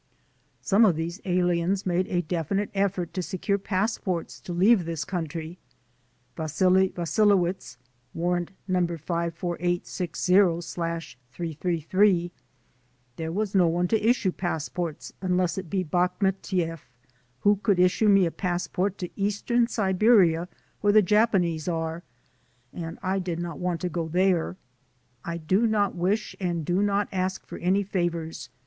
Some of these aliens made a definite effort to secure passports to leave this country: Wasily Wasilewicz (Warrant No. 54860/333) : "There was no one to issue passports unless it be Bach metieff, who could issue me a passport to eastern Siberia, where the Japanese are, and I did not want to go there. ... I do not wish and do not ask for any favors.